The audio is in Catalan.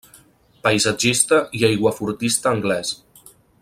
Paisatgista i aiguafortista anglès.